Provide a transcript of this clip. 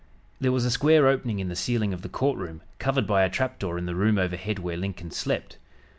There was a square opening in the ceiling of the court room, covered by a trap door in the room overhead where Lincoln slept.